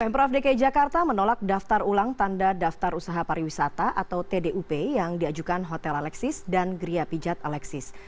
pemprov dki jakarta menolak daftar ulang tanda daftar usaha pariwisata atau tdup yang diajukan hotel alexis dan geria pijat alexis